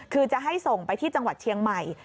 คือจะให้ส่งไปที่จังหวัดเชียงใหม่